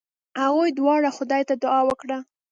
هغوی دواړو خدای ته دعا وکړه.